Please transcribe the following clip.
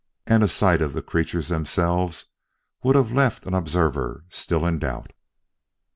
And a sight of the creatures themselves would have left an observer still in doubt.